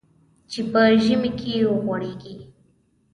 چې په ژمي کې وغوړېږي .